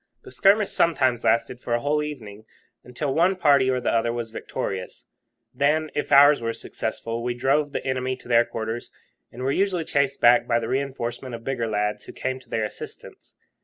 The skirmish sometimes lasted for a whole evening, until one party or the other was victorious, when, if ours were successful, we drove the enemy to their quarters, and were usually chased back by the reinforcement of bigger lads who came to their assistance.